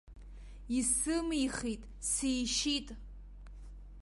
Исымихит, сишьит!